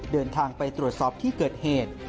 เดินทางไปตรวจสอบที่เกิดเหตุ